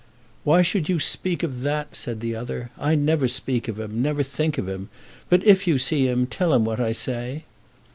"Why should you speak of that?" said the other. "I never speak of him, never think of him. But, if you see him, tell him what I say."